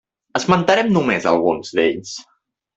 Esmentarem només alguns d'ells.